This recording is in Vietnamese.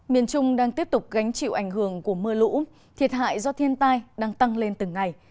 miền trung đang tiếp tục gánh chịu ảnh hưởng của mưa lũ thiệt hại do thiên tai đang tăng lên từng ngày